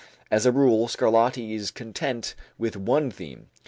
As a rule, Scarlatti is content with one theme.